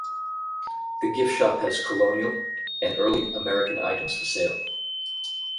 The gift shop has colonial and early American items for sale.